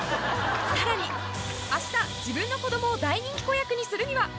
更に、明日、自分の子供を大人気子役にするには？